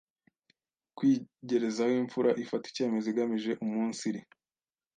kwigerezaho imfura ifata icyemezo igamije uumunsiri